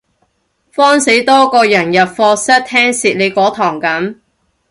慌死多個人入課室聽蝕你嗰堂噉